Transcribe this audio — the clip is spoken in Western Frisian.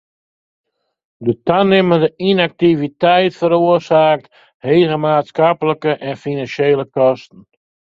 De tanimmende ynaktiviteit feroarsaket hege maatskiplike en finansjele kosten.